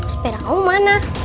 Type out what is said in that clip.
seperang kamu mana